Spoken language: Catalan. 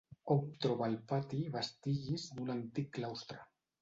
Hom troba al pati vestigis d'un antic claustre.